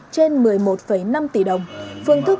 trên một mươi một năm tỷ đồng phương thức